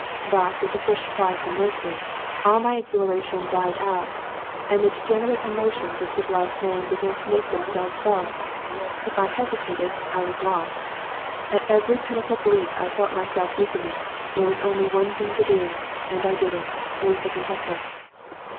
But, with the first cry for mercy, all my exhilaration died out and the degenerate emotions of civilized man began to make themselves felt. If I hesitated I was lost. At every pitiful bleat I felt myself weakening. There was only one thing to do, and I did it with the concussor.